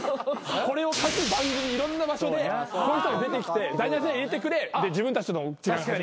これを各番組いろんな場所でこういう人が出てきて「第７世代入れてくれ」で自分たちの時代始まる。